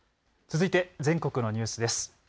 続いて全国のニュースです。